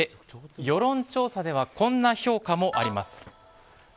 世論調査ではこんな評価もあります。